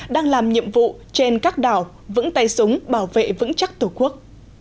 đang làm nhiệm vụ trên các đảo vững tay súng bảo vệ vững chắc tổ quốc